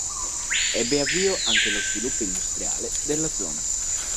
Ebbe avvio anche lo sviluppo industriale della zona.